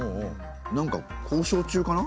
なんか交渉中かな？